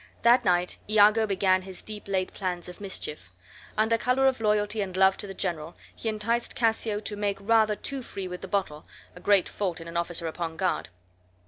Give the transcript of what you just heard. That night Iago began his deep laid plans of mischief. Under color of loyalty and love to the general, he enticed Cassio to make rather too free with the bottle (a great fault in an officer upon guard).